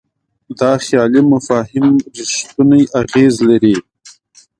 دا خیالي مفاهیم رښتونی اغېز لري.